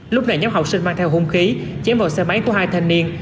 lúc này nhóm học sinh mang theo hung khí chém vào xe máy của hai thanh niên